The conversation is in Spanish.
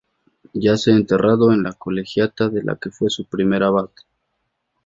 Yace enterrado en la Colegiata de la que fue su primer abad.